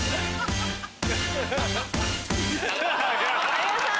有吉さん